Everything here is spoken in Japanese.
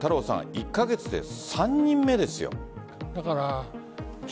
１カ月で３人目ですよ。